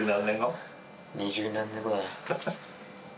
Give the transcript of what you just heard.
二十何年後だな。